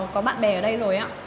có bạn bè ở đây rồi á